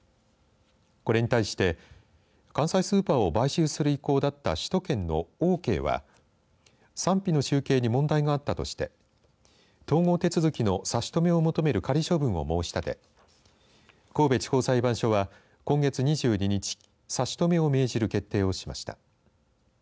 これに対して関西スーパーを買収する意向だった首都圏のオーケーは賛否の集計に問題があったとして統合手続きの差し止めを求める仮処分を申し立て神戸地方裁判所は、今月２２日差し止めを命じる決定をしました。